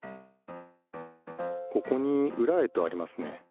ここに「ウラへ」とありますね。